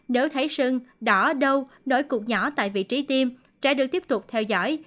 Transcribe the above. nếu thấy sưng đỏ đau nổi cục nhỏ tại vị trí tiêm trẻ được tiếp tục theo dõi